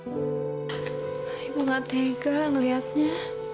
aku gak tega ngeliatnya